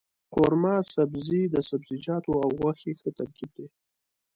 قورمه سبزي د سبزيجاتو او غوښې ښه ترکیب دی.